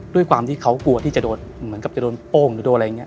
ด้วยความที่เขากลัวที่จะโดนเหมือนกับจะโดนโป้งหรือโดนอะไรอย่างนี้